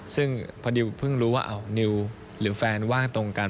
ซึ่งพอดิวเพิ่งรู้ว่านิวหรือแฟนว่างตรงกัน